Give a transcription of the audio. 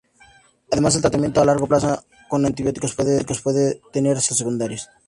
Además, el tratamiento a largo plazo con antibióticos puede tener serios efectos secundarios.